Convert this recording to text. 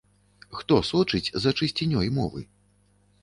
Хто сочыць за чысцінёй мовы?